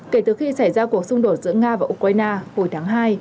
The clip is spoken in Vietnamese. kể từ khi xảy ra cuộc xung đột giữa nga và ukraine hồi tháng hai